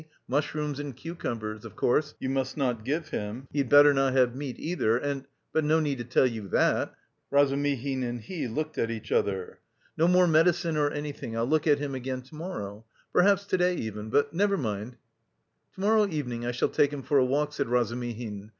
mushrooms and cucumbers, of course, you must not give him; he'd better not have meat either, and... but no need to tell you that!" Razumihin and he looked at each other. "No more medicine or anything. I'll look at him again to morrow. Perhaps, to day even... but never mind..." "To morrow evening I shall take him for a walk," said Razumihin.